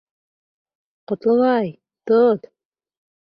Ҡотлобай, тот!